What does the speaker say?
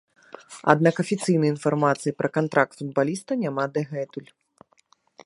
Аднак афіцыйнай інфармацыі пра кантракт футбаліста няма дагэтуль.